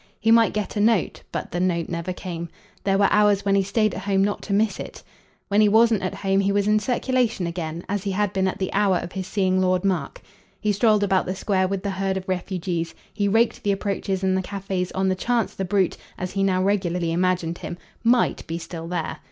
He might get a note, but the note never came; there were hours when he stayed at home not to miss it. When he wasn't at home he was in circulation again as he had been at the hour of his seeing Lord Mark. He strolled about the Square with the herd of refugees; he raked the approaches and the cafes on the chance the brute, as he now regularly imaged him, MIGHT be still there.